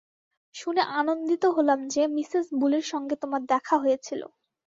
শুনে আনন্দিত হলাম যে, মিসেস বুলের সঙ্গে তোমার দেখা হয়েছিল।